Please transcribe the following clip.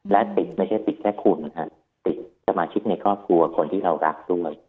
และติดไม่ใช่ติดแค่คุณฮะติดสมาชิกในครอบครัวคนที่เรารักด้วย